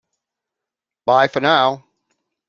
Bye for now!